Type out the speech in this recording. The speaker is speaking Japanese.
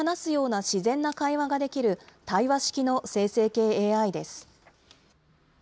人と話すような自然な会話ができる対話式の生成系ＡＩです。